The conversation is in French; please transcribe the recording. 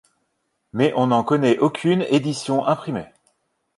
Mais on n'en connaît aucune édition imprimée.